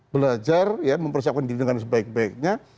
belajar ya mempersiapkan diri dengan sebaik baiknya